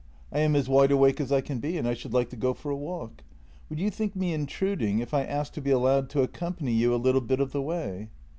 I am as wide awake as I can be, and I should like to go for a walk. Would you think me intruding if I asked to be allowed to accompany you a little bit of the way?